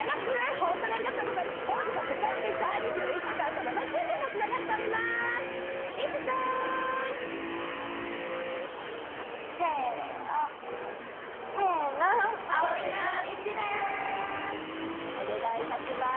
本日は世界的に大人気のＩＴＺＹさんと生中継が繋がっております。